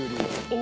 「お！